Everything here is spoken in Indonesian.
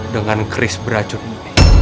dengan kris beracun ini